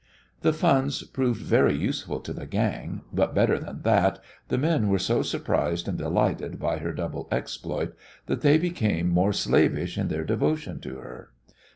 The funds proved very useful to the gang, but, better than that, the men were so surprised and delighted by her double exploit that they became more slavish in their devotion to her.